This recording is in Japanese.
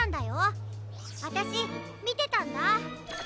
あたしみてたんだ。